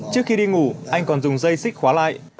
trước khi đi ngủ anh còn dùng dây xích khóa lại